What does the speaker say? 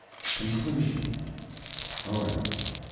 Conclusion O.M.